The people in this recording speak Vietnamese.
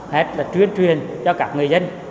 hết là truyền truyền cho các người dân